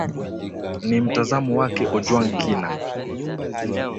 ni mtazamo wake ojwang kina